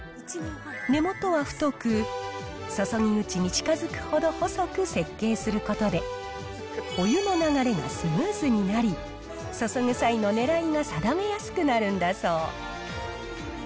根元は太く、注ぎ口に近づくほど細く設計することで、お湯の流れがスムーズになり、注ぐ際の狙いが定めやすくなるんだそう。